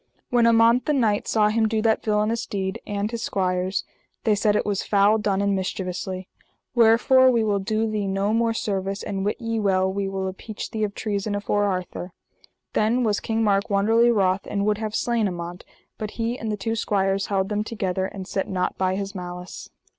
When Amant, the knight, saw him do that villainous deed, and his squires, they said it was foul done, and mischievously: Wherefore we will do thee no more service, and wit ye well, we will appeach thee of treason afore Arthur. Then was King Mark wonderly wroth and would have slain Amant; but he and the two squires held them together, and set nought by his malice.